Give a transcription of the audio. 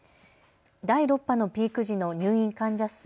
第６波のピーク時の入院患者数